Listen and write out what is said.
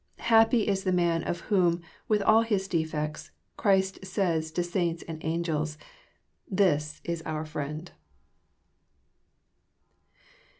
Happy is the man of whom, with all his defects, Christ says to saints and angels, " This is our friend."